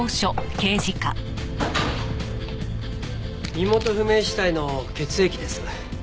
身元不明死体の血液です。